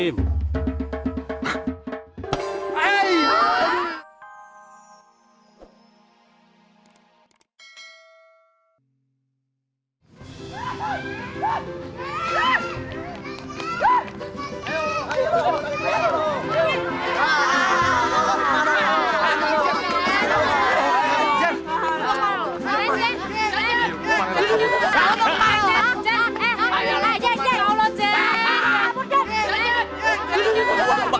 siap siap siap